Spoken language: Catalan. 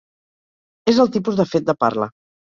És el tipus de fet de parla.